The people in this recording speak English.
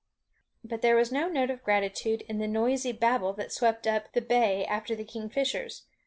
But there was no note of gratitude in the noisy babel that swept up the bay after the kingfishers.